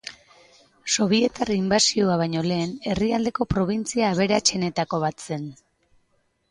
Sobietar inbasioa baino lehen herrialdeko probintzia aberatsenetako bat zen.